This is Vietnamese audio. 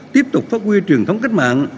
tiếp tục phát quyền truyền thống cách mạng